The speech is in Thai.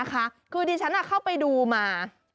คือดิฉันเข้าไปดูมา